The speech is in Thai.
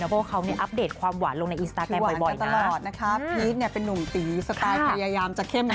ไปเองดีกว่า